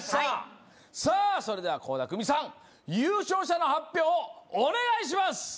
さあそれでは倖田來未さん優勝者の発表をお願いします！